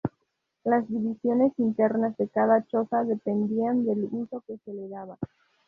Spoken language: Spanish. Las divisiones internas de cada choza dependían del uso que se le daba.